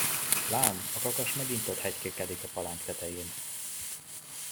Lám, a kakas megint ott hetykélkedik a palánk tetején.